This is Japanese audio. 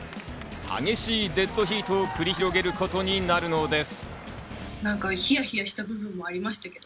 激しいデッドヒートを繰り広げることになるのです。